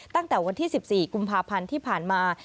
ตั้งแต่วันที่๑๔กุมภาพันธ์ที่ผ่านมา